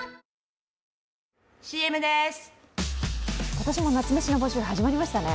今年も夏メシの募集始まりましたね。